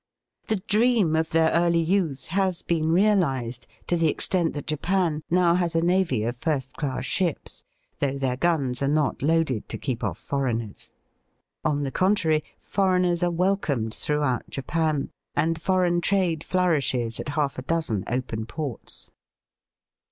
The dream of their early youth has been realized to the extent that Japan now has a navy of first class ships, though their guns are not loaded to keep off foreigners. On the contrary, foreigners are welcomed throughout Japan, and foreign trade flourishes at half a dozen open ports.